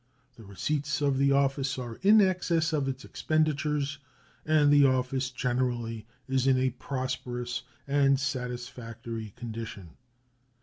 The receipts of the office are in excess of its expenditures, and the office generally is in a prosperous and satisfactory condition.